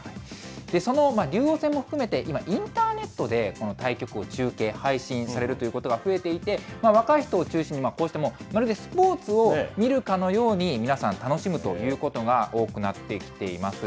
その竜王戦も含めて、今、インターネットでこの対局を中継・配信されるということが増えていて、若い人を中心に、こうしてもう、まるでスポーツを見るかのように皆さん、楽しむということが多くなってきています。